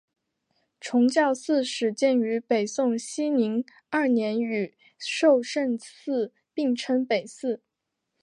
崇教寺始建于北宋熙宁二年与寿圣寺并称北寺。